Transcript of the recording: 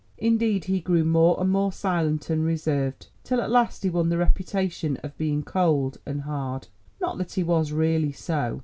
Indeed he grew more and more silent and reserved, till at last he won the reputation of being cold and hard. Not that he was really so.